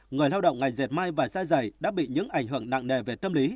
người lao động ngày diệt may và da dày đã bị những ảnh hưởng nặng nề về tâm lý